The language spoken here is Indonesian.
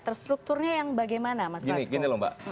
terstrukturnya yang bagaimana mas ras